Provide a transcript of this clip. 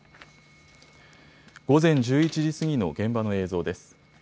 午前１１時過ぎの現場の映像です。